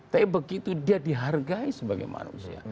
tapi begitu dia dihargai sebagai manusia